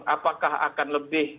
apakah akan lebih